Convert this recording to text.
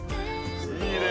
いいね